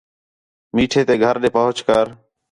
میٹھے تے گھر ݙے پُہچ کر